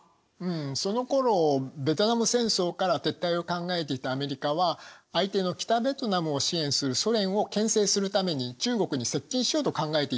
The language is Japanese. そのころベトナム戦争から撤退を考えていたアメリカは相手の北ベトナムを支援するソ連を牽制するために中国に接近しようと考えていたわけです。